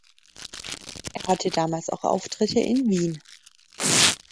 Er hatte damals auch Auftritte in Wien.